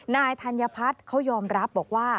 ธัญพัฒน์เขายอมรับบอกว่า